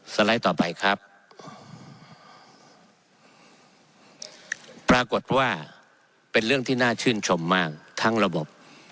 ไลด์ต่อไปครับปรากฏว่าเป็นเรื่องที่น่าชื่นชมมากทั้งระบบ